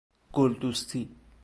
گل دوستی